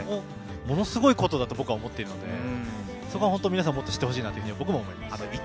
ものすごいことだと僕は思っているので、皆さんももっと知ってほしいなと僕も思います。